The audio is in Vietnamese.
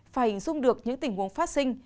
phải hình dung được những tình huống phát sinh